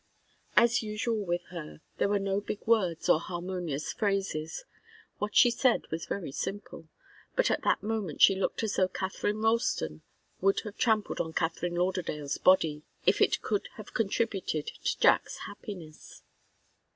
As usual with her, there were no big words nor harmonious phrases. What she said was very simple. But at that moment she looked as though Katharine Ralston would have trampled on Katharine Lauderdale's body, if it could have contributed to Jack's happiness.